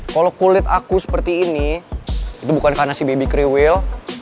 kalau kulit aku seperti ini itu bukan karena si baby kriwil